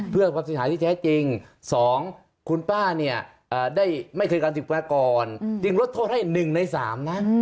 เพื่อความเสียหายที่แท้จริง๒คุณป้าเนี่ยได้ไม่เคยการศึกษาก่อนจึงลดโทษให้๑ใน๓นะ